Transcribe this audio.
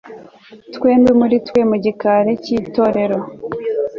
Twembi muri twe mu gikari cyitorero